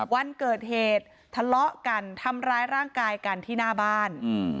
วันเกิดเหตุทะเลาะกันทำร้ายร่างกายกันที่หน้าบ้าน